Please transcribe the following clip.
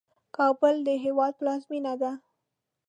کابل د هیواد پلازمېنه ده.